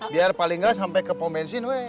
biar paling gak sampe ke pom bensin woye